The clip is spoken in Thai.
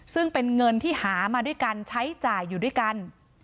ซึ่งเป็นเงินที่หามาด้วยกันใช้จ่ายอยู่ด้วยกัน